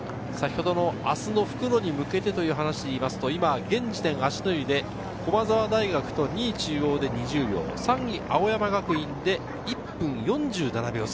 明日の復路に向けてという話でいうと現時点、芦之湯で駒澤大学と、２位・中央で２０秒、３位・青山学院で１分４７秒差。